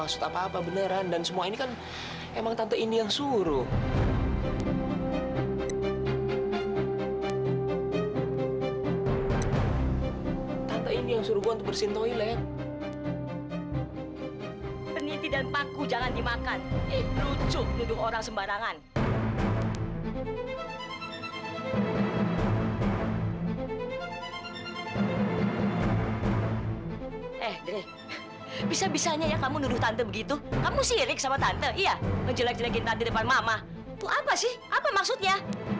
sampai jumpa di video selanjutnya